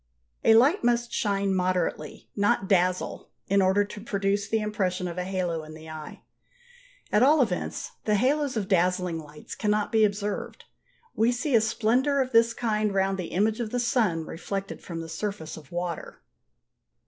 A light must shine moderately, not dazzle, in order to produce the impression of a halo in the eye; at all events the halos of dazzling lights cannot be observed. We see a splendour of this kind round the image of the sun reflected from the surface of water.